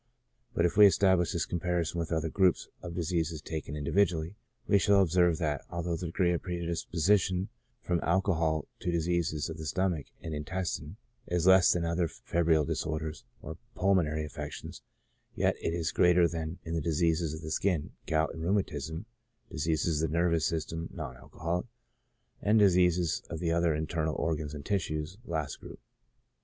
But if we establish this comparison with the other groups of diseases taken individually, we shall ob serve that, although the degree of predisposition from alco hol to diseases of the stomach and intestine is less than in febrile disorders or pulmonary affections, yet it is greater than in the diseases of the skin, gout and rheumatism, dis eases of the nervous system (non alcoholic), and diseases of the other internal organs and tissues (last group).